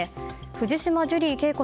藤島ジュリー景子